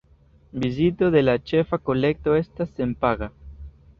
Vizito de la ĉefa kolekto estas senpaga.